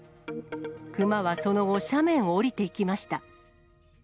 クマはその後、斜面を下りていきました。